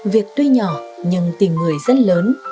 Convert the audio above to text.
việc tuy nhỏ nhưng tìm người rất lớn